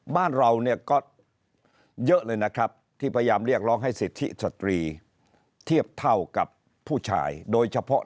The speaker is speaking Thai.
บ้านเราเนี่ยก็เยอะเลยนะครับที่พยายามเรียกร้องให้สิทธิสตรีเทียบเท่ากับผู้ชายโดยเฉพาะ